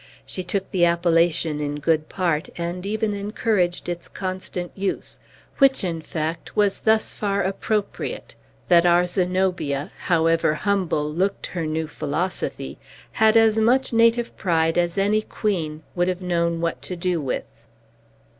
She took the appellation in good part, and even encouraged its constant use; which, in fact, was thus far appropriate, that our Zenobia, however humble looked her new philosophy, had as much native pride as any queen would have known what to do with.